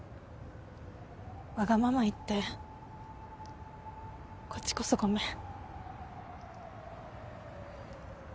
わがまま言ってこっちこそごめん。